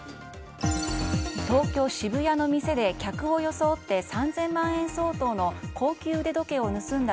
東京・渋谷の店で客を装って３０００万円相当の高級腕時計を盗んだ